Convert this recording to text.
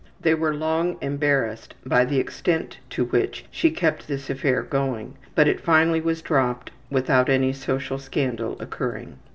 They were long embarrassed by the extent to which she kept this affair going, but it finally was dropped without any social scandal occurring.